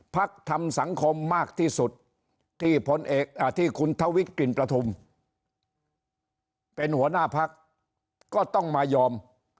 พักทำสังคมมากที่สุดที่คุณทวิทย์กลิ่นประทุมเป็นหัวหน้าพักก็ต้องมายอม